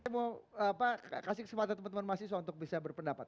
saya mau kasih kesempatan teman teman mahasiswa untuk bisa berpendapat